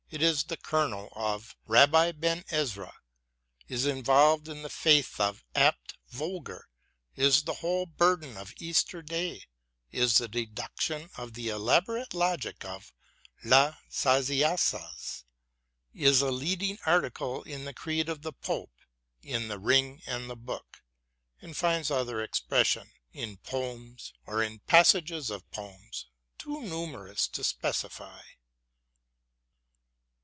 It is the kernel of " Rabbi Ben Ezra," is involved in the faith of " Abt Vogler," is the whole burden of " Easter Day," is the deduction of the elaborate logic of 202 BROWNING AND BUTLER " La Saisiaz," is a leading article in the creed of the Pope in " The Ring and the Book," and finds other expression in poems or in passages of poems too numerous to specify.